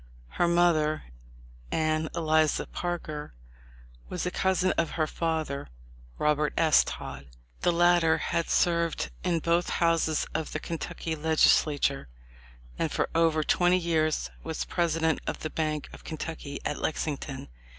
Her mother, Anne Eliza Parker, was a cousin of her father, Robert S. Todd. The latter had served in both houses of the Kentucky Legislature, and for over twenty years was president of the Bank of Kentucky at Lexington.